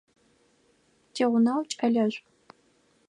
Тигъунэгъу кӏэлэшӏу.